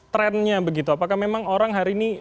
trendnya begitu apakah memang orang hari ini